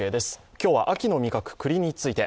今日は秋の味覚、栗について。